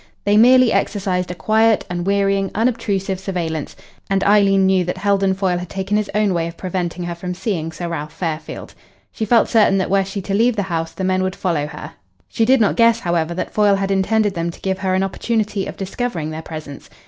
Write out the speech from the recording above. They merely exercised a quiet, unwearying, unobtrusive surveillance, and Eileen knew that Heldon Foyle had taken his own way of preventing her from seeing Sir Ralph Fairfield. She felt certain that were she to leave the house the men would follow her. She did not guess, however, that Foyle had intended them to give her an opportunity of discovering their presence.